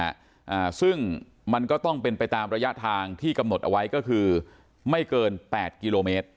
อ่าซึ่งมันก็ต้องเป็นไปตามระยะทางที่กำหนดเอาไว้ก็คือไม่เกินแปดกิโลเมตร